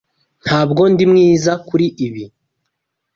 Ntabwo ndi mwiza kuri ibi.